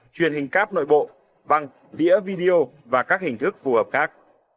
truyền hình cáp nội bộ băng đĩa video và các hình thức phù hợp khác